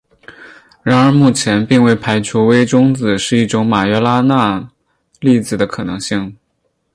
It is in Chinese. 然而目前并未排除微中子是一种马约拉纳粒子的可能性。